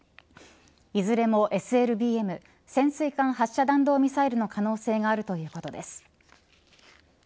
いずれもＳＬＢＭ潜水艦発射弾道ミサイルの可能性があるということです。